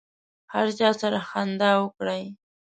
هر چا سره خندا وکړئ.